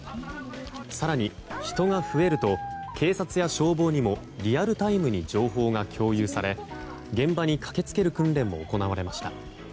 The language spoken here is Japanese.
更に人が増えると警察や消防にもリアルタイムに情報が共有され現場に駆け付ける訓練も行われました。